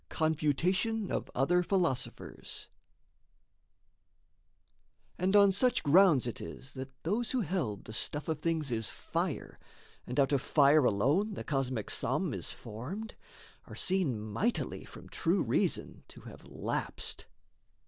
CONFUTATION OF OTHER PHILOSOPHERS And on such grounds it is that those who held The stuff of things is fire, and out of fire Alone the cosmic sum is formed, are seen Mightily from true reason to have lapsed.